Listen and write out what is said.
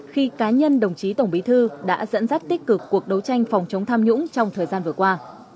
khi cá nhân đồng chí tổng bí thư đã dẫn dắt tích cực cuộc đấu tranh phòng chống tham nhũng trong thời gian vừa qua